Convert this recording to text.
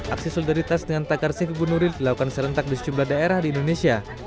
aksi solidaritas dengan takar si kubu nuril dilakukan serentak di sejumlah daerah di indonesia